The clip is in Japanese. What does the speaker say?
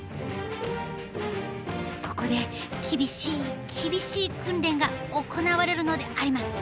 ここで厳しい厳しい訓練が行われるのであります。